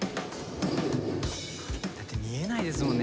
だって見えないですもんね